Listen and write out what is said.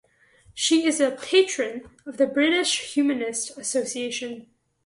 She is a 'Patron' of the British Humanist Association.